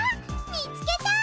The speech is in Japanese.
見つけた！